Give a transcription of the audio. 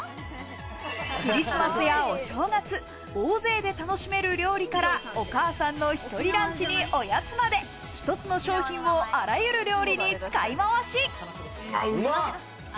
クリスマスやお正月、大勢で楽しめる料理からお母さんのひとりランチに、おやつまで、一つの商品をあらゆる料理に使いまわし。